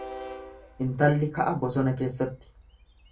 Intalli ka'a bosona keessatti.